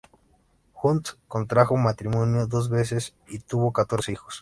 Hunt contrajo matrimonio dos veces y tuvo catorce hijos.